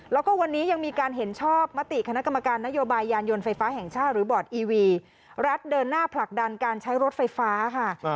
แล้วก็วันนี้ยังมีการเห็นชอบมติคณะกรรมการนโยบายยานยนต์ไฟฟ้าแห่งชาติหรือบอร์ดอีวีรัฐเดินหน้าผลักดันการใช้รถไฟฟ้าค่ะ